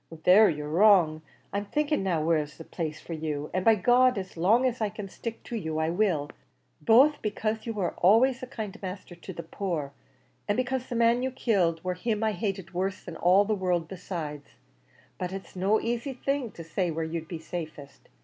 "There you're wrong. I'm thinking now, where is the best place for you: and by G d as long as I can stick to you, I will; both becase you were always a kind masther to the poor, an' becase the man you killed war him I hated worse than all the world besides; but it's no asy thing to say where you'd be safest.